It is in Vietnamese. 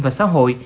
và xã hội